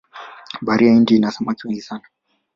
bahari ya hindi ina samaki wengi sana